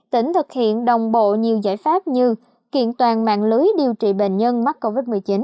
tỉnh thực hiện đồng bộ nhiều giải pháp như kiện toàn mạng lưới điều trị bệnh nhân mắc covid một mươi chín